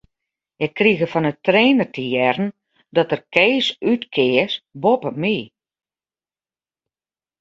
Ik krige fan 'e trainer te hearren dat er Kees útkeas boppe my.